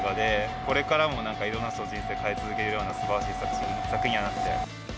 これからもなんか、いろんな人の人生を変え続けるような、すばらしい作品やなって。